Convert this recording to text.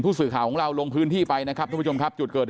สื่อข่าวของเราลงพื้นที่ไปนะครับทุกผู้ชมครับจุดเกิดเหตุ